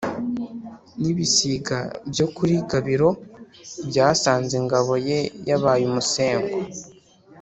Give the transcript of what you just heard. n'ibisiga byo kuli gabiro byasanze ingabo ye yabaye umusengo,